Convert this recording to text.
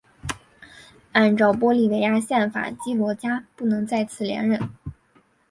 按照玻利维亚宪法基罗加不能再次连任。